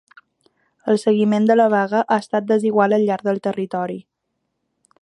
El seguiment de la vaga ha estat desigual al llarg del territori.